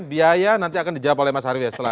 biaya nanti akan dijawab oleh mas arief ya setelah